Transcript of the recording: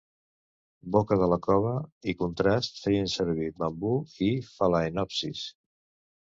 boca de la cova" i "contrast" feien servir bambú i phalaenopsis.